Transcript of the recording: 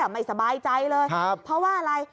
ไม่สบายใจเลยเพราะว่าอะไร